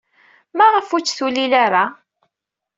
Maɣef ur tt-tulil ara?